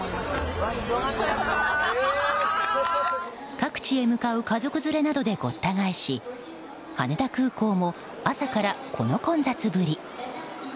各地へ向かう家族連れなどでごった返し羽田空港も朝から、この混雑ぶり。